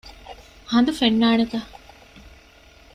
ހަނދު ފެންނާނެތަ؟